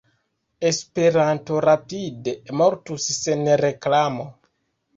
Esperanto rapide mortus sen reklamo.